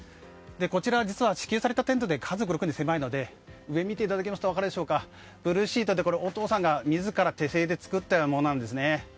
こちら実は支給されたテントで家族６人は狭いので上を見ていただきますと分かるでしょうかブルーシートでお父さんが手製で作っているんですね。